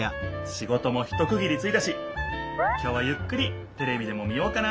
仕事もひとくぎりついたしきょうはゆっくりテレビでも見ようかな。